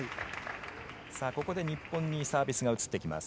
ここで日本にサービスが移ってきます。